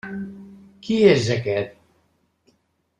Qui és aquest?